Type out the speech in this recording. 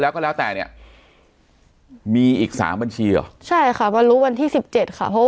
แล้วก็แล้วแต่เนี่ยมีอีก๓บัญชีใช่ค่ะมันรู้วันที่๑๗ค่ะเพราะ